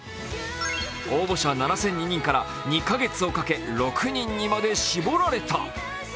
応募者７００２人から２か月をかけ６人にまで絞られた。